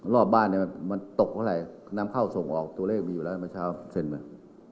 รอบบ้านเนี่ยมันตกเมื่อไหร่นำเข้าส่งออกตัวเลขมีอยู่แล้วเมื่อเช้าเซ็นมา